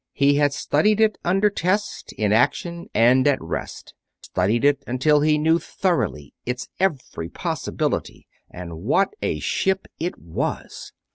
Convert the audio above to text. He had studied it under test, in action, and at rest; studied it until he knew thoroughly its every possibility and what a ship it was!